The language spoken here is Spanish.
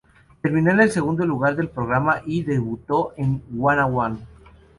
Terminó en el segundo lugar del programa y debutó en Wanna One.